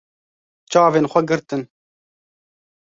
Çavên xwe girtin.